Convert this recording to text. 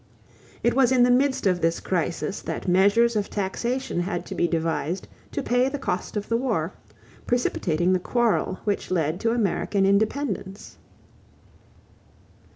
It was in the midst of this crisis that measures of taxation had to be devised to pay the cost of the war, precipitating the quarrel which led to American independence.